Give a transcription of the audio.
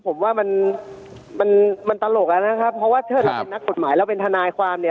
ผมว่ามันมันตลกอ่ะนะครับเพราะว่าถ้าเราเป็นนักกฎหมายเราเป็นทนายความเนี่ย